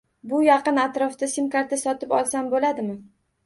Bu yaqin atrofda sim karta sotib olsa bo'ladimi?